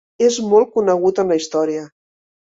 És molt conegut en la història.